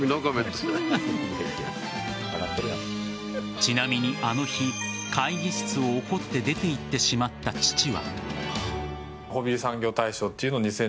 ちなみに、あの日会議室を怒って出て行ってしまった父は。